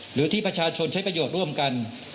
หรือที่ประชาชนใช้ประโยชน์ร่วมกัน